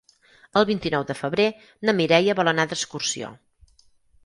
El vint-i-nou de febrer na Mireia vol anar d'excursió.